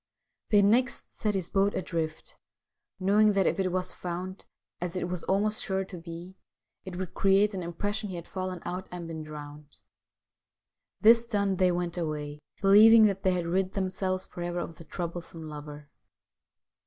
They next set his boat adrift, knowing that if it was found, as it was almost sure to be, it would create an im pression he had fallen out and been drowned. This done, they went away, believing that they had rid themselves for ever of the troublesome lover.